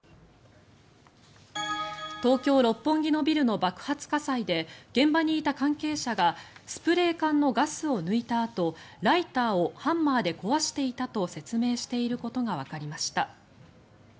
東京・六本木のビルの爆発火災で現場にいた関係者がスプレー缶のガスを抜いたあとライターをハンマーで壊していたと説明していることがわかりました。